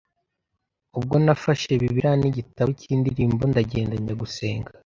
Ubwo nafashe bibiliya n’igitabo cy’indirimbo ndagenda njya gusenga